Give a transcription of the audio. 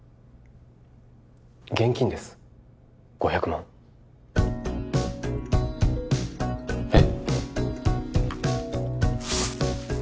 現金です５００万えっ？